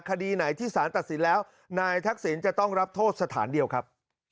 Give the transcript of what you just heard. คดีไหนที่สารตัดสินแล้วนายทักษิณจะต้องรับโทษสถานเดียวครับ